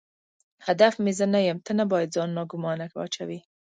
هدف مې زه نه یم، ته نه باید ځان ناګومانه واچوې.